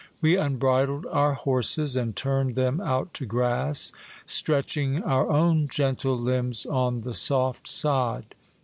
We unbridled our horses, and turned them out to grass, stretching our own gentle limbs on the soft sod.